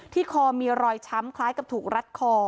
คอมีรอยช้ำคล้ายกับถูกรัดคอ